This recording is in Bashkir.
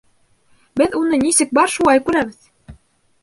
Беҙ уны нисек бар, шулай күрәбеҙ!